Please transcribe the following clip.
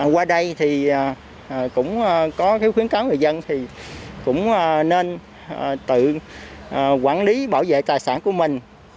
qua đây cũng có khuyến cáo người dân nên tự quản lý bảo vệ tài sản của mình